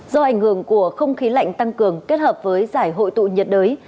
do ảnh hưởng của không khí lạnh tăng cường kết hợp với giải hội tụ nhiệt đới